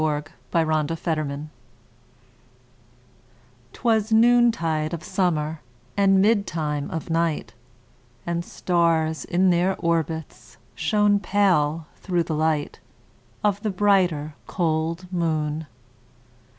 1827 Evening Star 'Twas noontide of summer, And midtime of night, And stars, in their orbits, Shone pale, through the light Of the brighter, cold moon.